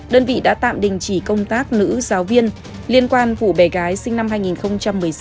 đơn vị đã tạm đình chỉ công tác nữ giáo viên liên quan vụ bé gái sinh năm hai nghìn một mươi sáu